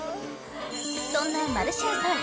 そんなマルシアさん